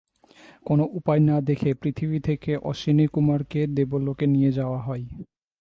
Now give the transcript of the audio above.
কোনো উপায় না দেখে পৃথিবী থেকে অশ্বিনীকুমারকে দেবলোকে নিয়ে যাওয়া হয়।